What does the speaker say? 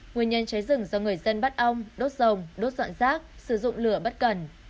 nguyên nhân cháy rừng do người dân bắt ong đốt rồng đốt dọn rác sử dụng lửa bất cần